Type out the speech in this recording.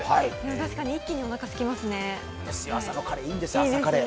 確かに一気におなかすきますね。